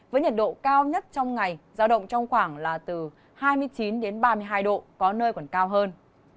với nhiệt độ cao nhất trong ngày giao động trong khoảng là từ hai mươi chín đến ba mươi hai độ có nơi còn cao hơn